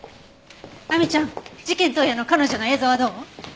亜美ちゃん事件当夜の彼女の映像はどう？